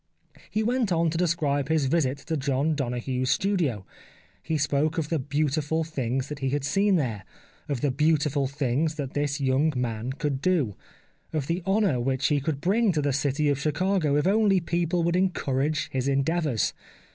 He went on to describe his visit to John Donoghue's studio ; he spoke of the beautiful things that he had seen there, of the beautiful things that this young man could do, of the honour which he could bring to the city of Chicago if only people would encourage his endeavours.